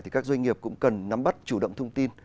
thì các doanh nghiệp cũng cần nắm bắt chủ động thông tin